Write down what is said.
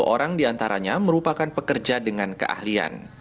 satu ratus lima puluh orang di antaranya merupakan pekerja dengan keahlian